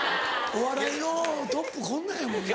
お笑いのトップこんなんやもんな。